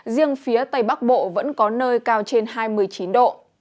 riêng phía tây bắc bộ vẫn có nơi cao trên hai mươi chín độ